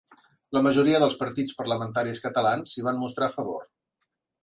La majoria dels partits parlamentaris catalans s'hi van mostrar a favor.